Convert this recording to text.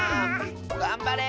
がんばれ！